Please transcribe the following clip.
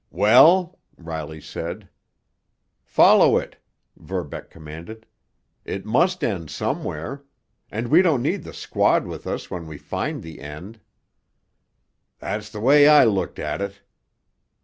"Well?" Riley said. "Follow it!" Verbeck commanded. "It must end somewhere. And we don't need the squad with us when we find the end." "That's the way I looked at it.